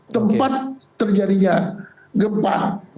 tempat terjadinya gempa